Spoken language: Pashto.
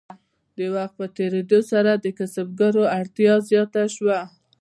د وخت په تیریدو سره د کسبګرو وړتیا زیاته شوه.